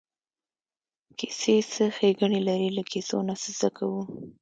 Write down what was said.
کیسې څه ښېګڼې لري له کیسو نه څه زده کوو.